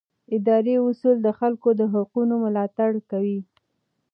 اداري اصول د خلکو د حقونو ملاتړ کوي.